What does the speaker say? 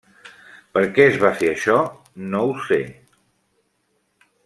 Per què es va fer això, no ho sé.